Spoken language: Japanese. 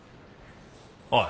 おい！